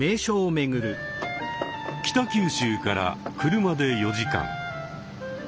北九州から車で４時間。